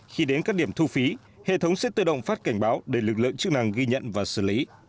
khi đến các điểm thu phí hệ thống xếp tự động phát cảnh báo để lực lượng chức năng ghi nhận và xử lý